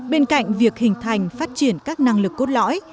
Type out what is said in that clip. bên cạnh việc hình thành phát triển các năng lực cốt lõi